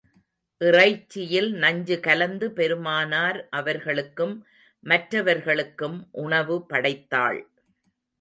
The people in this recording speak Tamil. இறைச்சியில் நஞ்சு கலந்து பெருமானார் அவர்களுக்கும், மற்றவர்களுக்கும் உணவு படைத்தாள்.